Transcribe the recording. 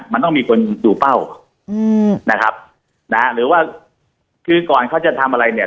มันต้องมีคนดูเป้าอืมนะครับนะหรือว่าคือก่อนเขาจะทำอะไรเนี่ย